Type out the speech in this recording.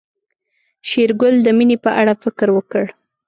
شېرګل د مينې په اړه فکر وکړ.